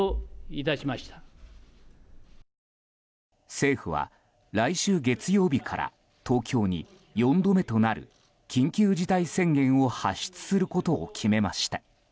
政府は、来週月曜日から東京に４度目となる緊急事態宣言を発出することを決めました。